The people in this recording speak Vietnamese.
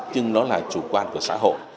nhưng nó là chủ quan của xã hội